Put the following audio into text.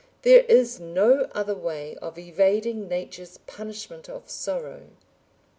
There is no other way of evading Nature's punishment of sorrow.